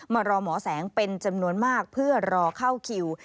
มารอหมอแสงเป็นจำนวนมากเพื่อรอเข้าคิว